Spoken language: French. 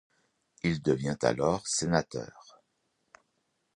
Il devient alors sénateur.